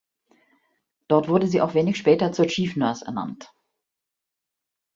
Dort wurde sie auch wenig später zur Chief Nurse ernannt.